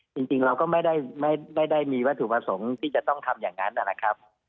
จริงจริงเราก็ไม่ได้ไม่ได้มีวัตถุผสมที่จะต้องทำอย่างนั้นอ่ะนะครับ